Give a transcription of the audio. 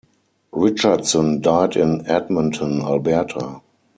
Richardson died in Edmonton, Alberta.